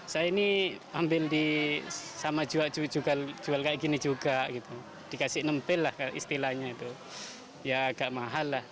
saya ini ambil sama jual kayak gini juga gitu dikasih enam pil lah istilahnya itu ya agak mahal lah